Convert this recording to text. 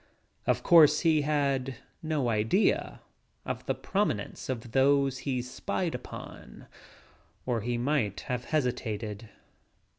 Of course, he had no idea of the prominence of those he spied upon or he might have hesitated.